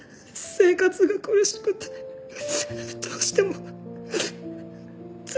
生活が苦しくてどうしてもどうしても。